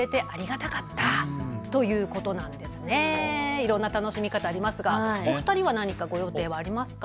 いろんな楽しみ方、ありますがお二人は何かご予定はありますか。